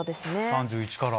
３１から。